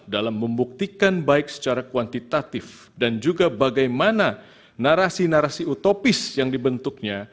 dalam membuktikan baik secara kuantitatif dan juga bagaimana narasi narasi utopis yang dibentuknya